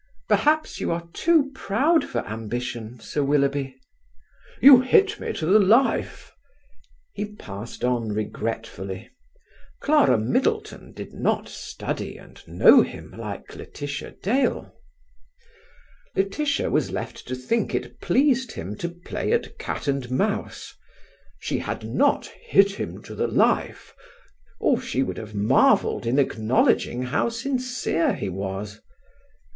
"Perhaps you are too proud for ambition, Sir Willoughby." "You hit me to the life!" He passed on regretfully. Clara Middleton did not study and know him like Laetitia Dale. Laetitia was left to think it pleased him to play at cat and mouse. She had not "hit him to the life", or she would have marvelled in acknowledging how sincere he was.